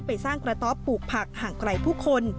ไปสร้างกระต๊อบปลูกผักห่างไกลผู้คน